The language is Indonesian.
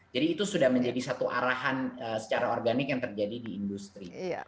jadi itu sudah menjadi satu arahan secara organik yang terjadi di industri